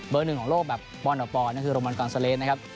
เบอร์หนึ่งของโลกแบบปลอดนี่คือโรงพยาบาลกรอนเซอเลสนะครับ